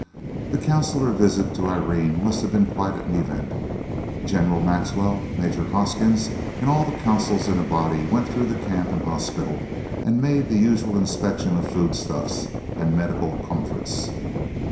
That Consular visit to Irene must have been quite an event. General Maxwell, Major Hoskins, and all the Consuls in a body went through the Camp and hospital, and made the usual inspection of foodstuffs and "medical comforts."